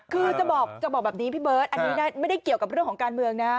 คือจะบอกจะบอกแบบนี้พี่เบิร์ตอันนี้ไม่ได้เกี่ยวกับเรื่องของการเมืองนะ